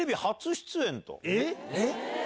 えっ？